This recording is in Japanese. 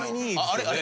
あれ？